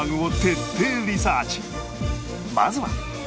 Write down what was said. まずは